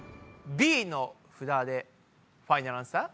Ｂの札でファイナルアンサー？